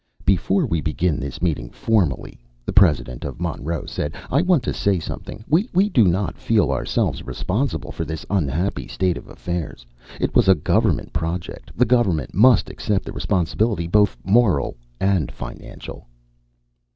"Before we begin this meeting formally," the president of Monroe said, "I want to say something. We do not feel ourselves responsible for this unhappy state of affairs. It was a government project; the government must accept the responsibility, both moral and financial."